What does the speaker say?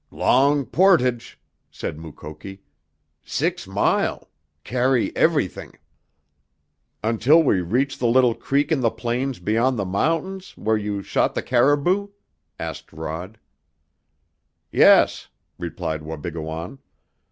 "Long portage," said Mukoki. "Six mile. Carry everything." "Until we reach the little creek in the plains beyond the mountain, where you shot the caribou?" asked Rod. "Yes," replied Wabigoon.